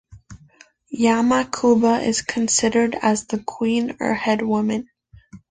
Ya Ma Cooba is considered as the queen, or head woman